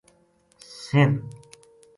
سر